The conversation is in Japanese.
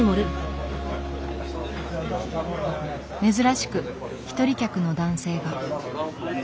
珍しく一人客の男性が。